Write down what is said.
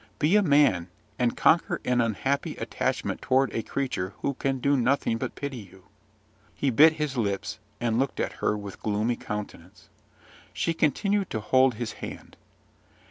Be a man, and conquer an unhappy attachment toward a creature who can do nothing but pity you." He bit his lips, and looked at her with a gloomy countenance. She continued to hold his hand.